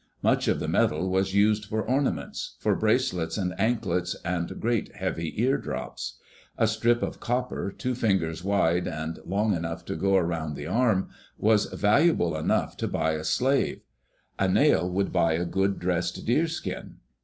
Much of the metal was used for ornaments, for bracelets and anklets and great heavy eardrops. A strip of copper two fingers wide and long enough to go around the arm was Digitized by VjOOQ IC EARLY DAYS IN OLD OREGON valuable enough to buy a slave. A nail would buy a good dressed deerskin.